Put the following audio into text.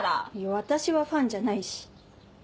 私はファンじゃないし。